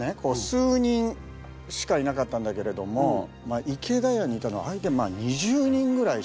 数人しかいなかったんだけれども池田屋にいたのは相手２０人ぐらい。